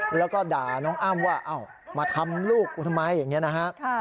แล้วก็ด่าน้องอ้ำว่ามาทำลูกกูทำไมอย่างนี้นะฮะ